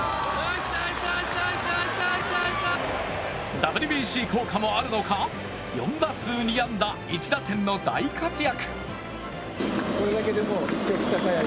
ＷＢＣ効果もあるのか、４打数２安打１打点の大活躍。